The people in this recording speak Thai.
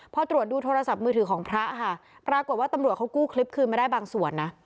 พอตรวจดูโทรศัพท์มือถือของพระค่ะปรากฏว่าตำรวจเขากู้คลิปคืนมาได้บางส่วนนะ